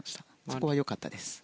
そこは良かったです。